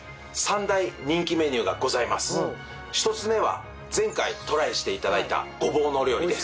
１つ目は前回トライして頂いたごぼうのお料理です。